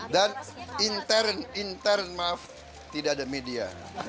dan intern maaf tidak ada media